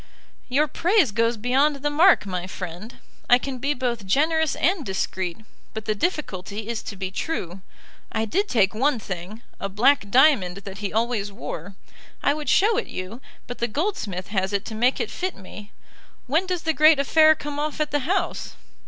"Your praise goes beyond the mark, my friend. I can be both generous and discreet; but the difficulty is to be true. I did take one thing, a black diamond that he always wore. I would show it you, but the goldsmith has it to make it fit me. When does the great affair come off at the House?"